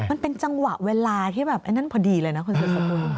มันเป็นจังหวะเวลาที่แบบไอ้นั่นพอดีเลยนะคุณสุดสกุล